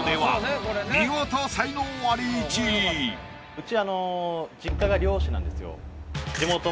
うち。